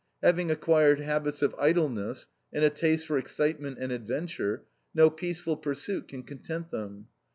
Having acquired habits of idleness and a taste for excitement and adventure, no peaceful pursuit can content them.